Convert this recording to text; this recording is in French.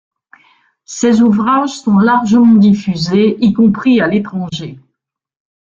Ses ouvrages sont largement diffusés y compris à l’étranger.